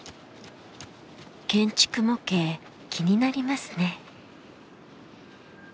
建築模型気になりますね。